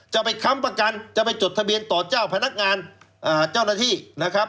จะไปค้ำประกันจะไปจดทะเบียนต่อเจ้าพนักงานเจ้าหน้าที่นะครับ